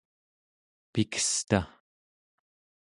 pikesta